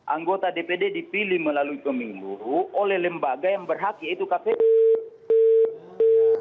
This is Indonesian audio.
anggota dprd dipilih melalui pemilu oleh lembaga yang berhaki itu kpm